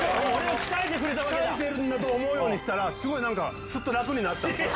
鍛えてるんだと思うようにしたら、すごい、すっと楽になったんですよ。